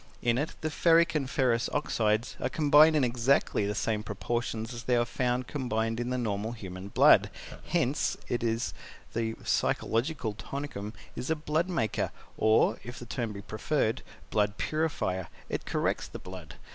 In it the Ferric and Ferrous Oxides are combined in exactly the same proportions as they are found combined in the normal human blood; hence it is that the Physiological Tonicum is a blood maker, or, if the term be preferred, blood purifier it corrects the blood.